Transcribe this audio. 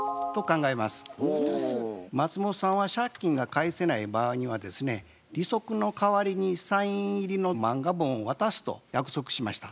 松本さんは借金が返せない場合にはですね利息の代わりにサイン入りの漫画本を渡すと約束しました。